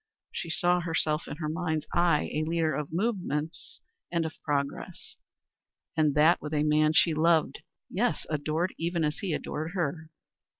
She saw herself in her mind's eye a leader of movements and of progress. And that with a man she loved yes, adored even as he adored her.